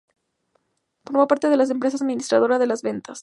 Formó parte de la empresa administradora de Las Ventas.